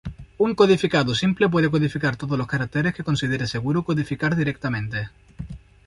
Un codificado simple puede codificar todos los caracteres que considere seguro codificar directamente.